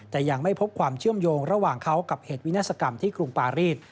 แต่ยังไม่พบความเชื่อมโยงระหว่างเขากับเหตุวินาศกรรมที่กรุงปารีส